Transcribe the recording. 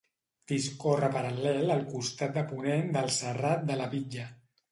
Discorre paral·lel pel costat de ponent del Serrat de la Bitlla.